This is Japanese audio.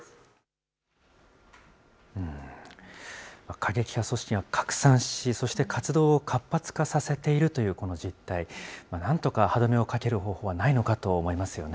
過激派組織が拡散し、そして活動を活発化させているというこの実態、なんとか歯止めをかける方法はないのかと思いますよね。